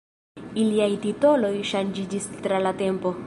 Iliaj titoloj ŝanĝiĝis tra la tempo.